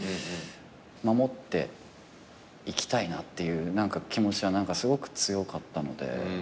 守っていきたいなっていう気持ちはすごく強かったので。